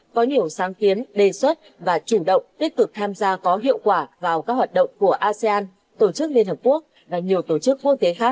có nhiều sáng kiến đề xuất và chủ động tích cực tham gia có hiệu quả vào các hoạt động của asean tổ chức liên hợp quốc và nhiều tổ chức quốc tế khác